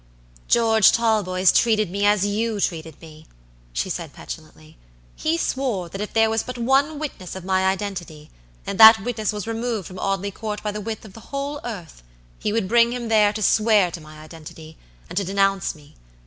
"George Talboys treated me as you treated me," she said, petulantly. "He swore that if there was but one witness of my identity, and that witness was removed from Audley Court by the width of the whole earth, he would bring him there to swear to my identity, and to denounce me.